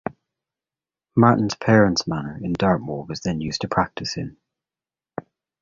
Martin's parents' manor house in Dartmoor was then used to practice in.